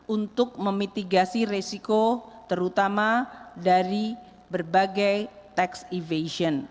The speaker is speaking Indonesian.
untuk memitigasi resiko terutama dari berbagai tax evation